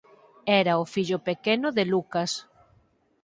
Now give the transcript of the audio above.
Era o fillo pequeno de Lucas.